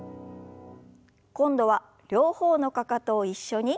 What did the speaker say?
今度は両方のかかとを一緒に。